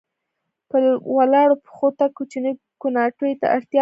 په ولاړو پښو تګ کوچنیو کوناټیو ته اړتیا لرله.